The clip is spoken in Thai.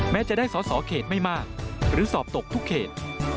จะได้สอสอเขตไม่มากหรือสอบตกทุกเขต